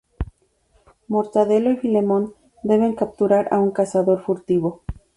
Mortadelo y Filemón deben capturar a un cazador furtivo.